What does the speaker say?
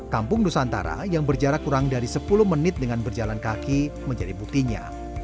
kampung nusantara yang berjarak kurang dari sepuluh menit dengan berjalan kaki menjadi buktinya